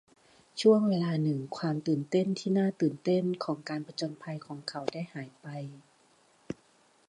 ช่วงเวลาหนึ่งความตื่นเต้นที่น่าตื่นเต้นของการผจญภัยของเขาได้หายไป